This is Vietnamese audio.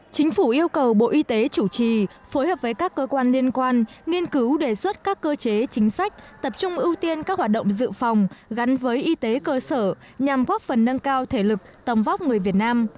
chính phủ yêu cầu bộ y tế chủ trì phối hợp với các cơ quan liên quan nghiên cứu đề xuất các cơ chế chính sách tập trung ưu tiên các hoạt động dự phòng gắn với y tế cơ sở nhằm góp phần nâng cao thể lực tầm vóc người việt nam